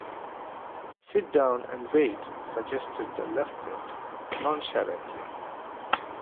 "Sit down and wait," suggested the lieutenant nonchalantly.